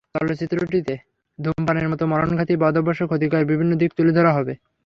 চলচ্চিত্রটিতে ধূমপানের মতো মরণঘাতী বদভ্যাসের ক্ষতিকর বিভিন্ন দিক তুলে ধরা হবে।